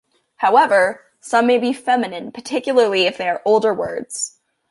However, some may be feminine, particularly if they are older words.